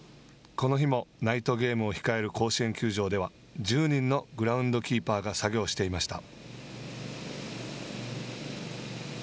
この日もナイトゲームを控える甲子園球場では１０人のグラウンドキーパーが作業していました。